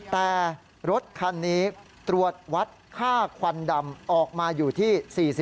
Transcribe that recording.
แต่รถคันนี้ตรวจวัดค่าควันดำออกมาอยู่ที่๔๐